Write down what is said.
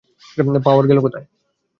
পাওয়ার গেল কোথায়?